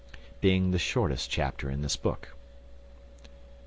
Being the shortest chapter in this book.